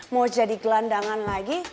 mau jadi gelandangan lagi